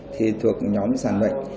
thì thuộc nhóm sản bệnh